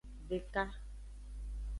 Veka.